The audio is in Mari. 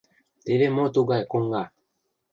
Теве мо тугай коҥга!